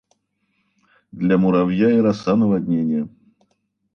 Для муравья и роса - наводнение.